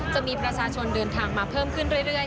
จะมีประชาชนเดินทางมาเพิ่มขึ้นเรื่อย